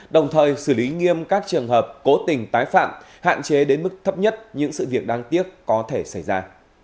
đồng thời xử lý nghiêm các trường hợp cố tình tái phạm hạn chế đến mức thấp nhất những sự việc đáng tiếc có thể xảy ra